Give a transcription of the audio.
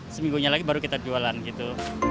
seminggunya lagi baru kita jualan gitu